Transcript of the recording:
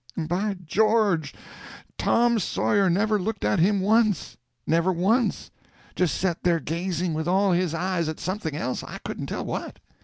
And by George, Tom Sawyer never looked at him once! Never once—just set there gazing with all his eyes at something else, I couldn't tell what.